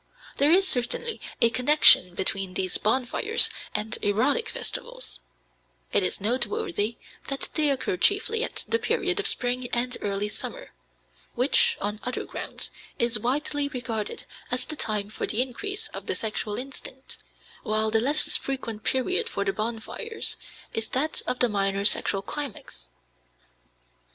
There is certainly a connection between these bonfires and erotic festivals; it is noteworthy that they occur chiefly at the period of spring and early summer, which, on other grounds, is widely regarded as the time for the increase of the sexual instinct, while the less frequent period for the bonfires is that of the minor sexual climax.